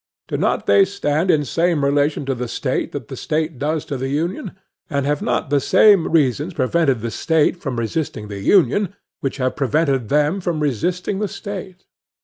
Do not they stand in same relation to the State, that the State does to the Union? And have not the same reasons prevented the State from resisting the Union, which have prevented them from resisting the State?